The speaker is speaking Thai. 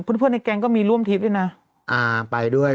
เพื่อนเพื่อนในแก๊งก็มีร่วมทริปด้วยนะอ่าไปด้วย